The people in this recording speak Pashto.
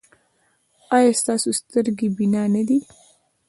ایا ستاسو سترګې بینا نه دي؟